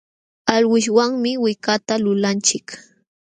Alwishwanmi wikata lulanchik.